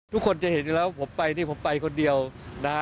ทุกคนจะเห็นอยู่แล้วผมไปนี่ผมไปคนเดียวนะฮะ